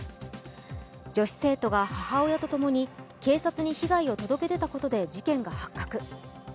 女子生徒が母親とともに警察に害を届けだたことで事件が発覚。